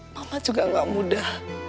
mama juga gak mudah